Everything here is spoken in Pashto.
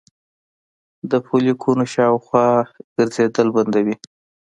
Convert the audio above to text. د فولیکونو شاوخوا ګرځیدل بندوي